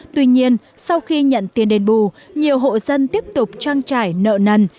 tuy nhiên sau khi nhận tiền đền bù nhiều hộ dân tiếp tục trang trải nợ nần